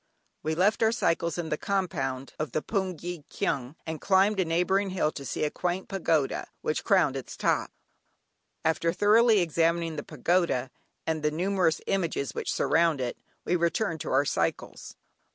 We left our cycles in the compound of the "hpoongyi kyaung," and climbed a neighbouring hill to see a quaint pagoda, which crowned its top. After thoroughly examining the pagoda, and the numerous images which surround it, we returned to our cycles.